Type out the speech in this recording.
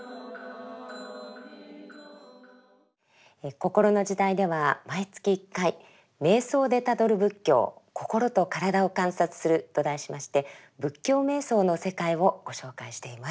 「こころの時代」では毎月１回「瞑想でたどる仏教心と身体を観察する」と題しまして仏教瞑想の世界をご紹介しています。